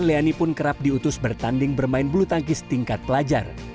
leoni pun kerap diutus bertanding bermain bulu tangkis tingkat pelajar